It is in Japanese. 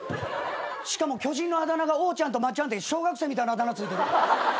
しかも巨人のあだ名がおーちゃんとまっちゃんって小学生みたいなあだ名付いてる。